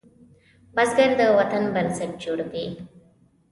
بزګر د وطن بنسټ جوړوي